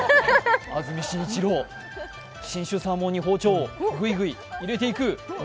安住紳一郎、信州サーモンに包丁をぐいぐい入れていく。